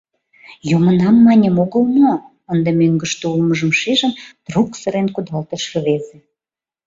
— Йомынам маньым огыл мо? — ынде мӧҥгыштӧ улмыжым шижын, трук сырен кудалтыш рвезе.